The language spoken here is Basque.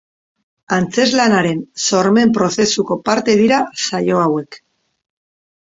Antzezlanaren sormen prozesuko parte dira saio hauek.